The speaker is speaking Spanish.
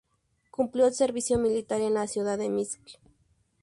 Cumplió el servicio militar en la ciudad de Minsk.